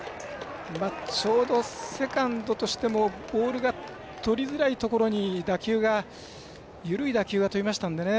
ちょうどセカンドとしてもボールがとりづらいところに緩い打球が飛びましたのでね。